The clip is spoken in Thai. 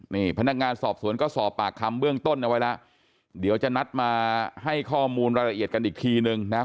นี่พนักงานสอบสวนก็สอบปากคำเบื้องต้นเอาไว้แล้วเดี๋ยวจะนัดมาให้ข้อมูลรายละเอียดกันอีกทีนึงนะ